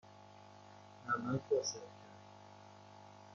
نمک و سرکه.